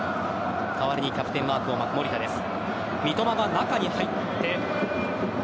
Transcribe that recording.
代わりにキャプテンマークを巻く守田です。